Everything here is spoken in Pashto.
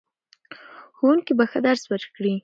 ښوونکي به ښه درس ورکړي.